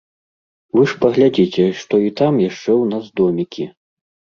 Вы ж паглядзіце, што і там яшчэ ў нас домікі.